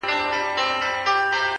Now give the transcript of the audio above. هر گړى خــوشـــالـــه اوســـــــــــې.!